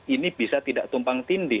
ini bisa tidak tumpang tindih